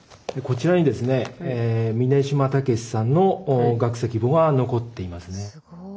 こちらにですね峯島武さんの学籍簿が残っていますね。